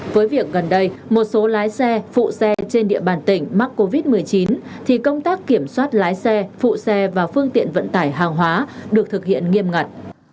với việc gần đây một số lái xe phụ xe trên địa bàn tỉnh mắc covid một mươi chín thì công tác kiểm soát lái xe phụ xe và phương tiện vận tải hàng hóa được thực hiện nghiêm ngặt